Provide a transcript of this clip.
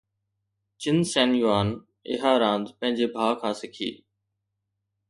چن سين يوان اها راند پنهنجي ڀاءُ کان سکي